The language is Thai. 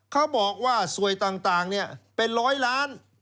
เขาบอกว่าสวยต่างเป็นร้อยล้าน